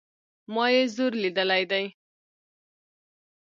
ما ئې زور ليدلى دئ